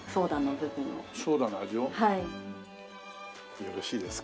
よろしいですか？